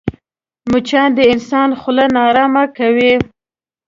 مچان د انسان خوله ناارامه کوي